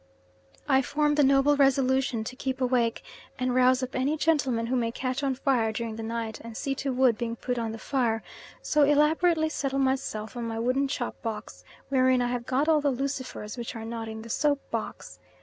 I form the noble resolution to keep awake, and rouse up any gentleman who may catch on fire during the night, and see to wood being put on the fires, so elaborately settle myself on my wooden chop box, wherein I have got all the lucifers which are not in the soap box.